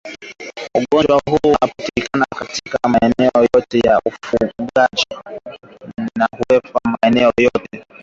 Ugonjwa huu unapatikana katika maeneo yote ya wafugaji na huenea polepole katika maeneo yote